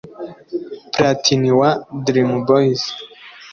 Platini wa Dream Boyz